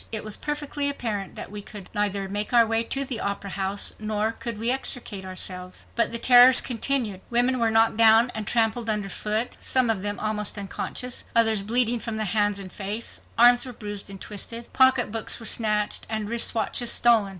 It was perfectly apparent that we could neither make our way to the Opera House nor could we extricate ourselves. But the terrors continued. Women were knocked down and trampled under foot, some of them almost unconscious, others bleeding from the hands and face; arms were bruised and twisted; pocketbooks were snatched and wrist watches stolen.